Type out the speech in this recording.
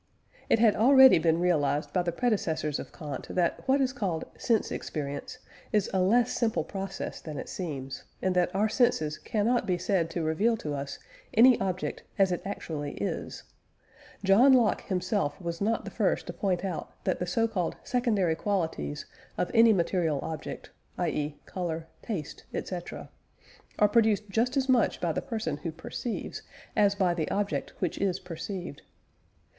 It had already been realised by the predecessors of Kant that what is called "sense experience" is a less simple process than it seems, and that our senses cannot be said to reveal to us any object as it actually is. John Locke himself was not the first to point out that the so called "secondary qualities" of any material object (i.e. colour, taste, etc.) are produced just as much by the person who perceives, as by the object which is perceived.